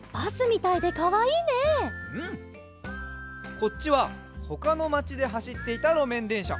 こっちはほかのまちではしっていたろめんでんしゃ。